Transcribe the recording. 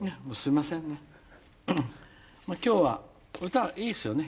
まあ今日は歌いいっすよね？